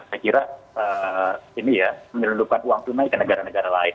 saya kira ini ya menyelundupkan uang tunai ke negara negara lain